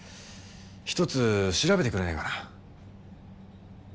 一つ調べてくれないかな？